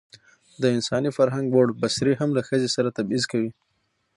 د انساني فرهنګ ووړ بڅرى هم له ښځې سره تبعيض کوي.